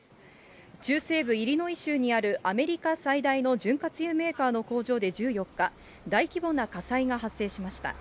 中西部イリノイ州にあるアメリカ最大の潤滑油メーカーの工場で１４日、大規模な火災が発生しました。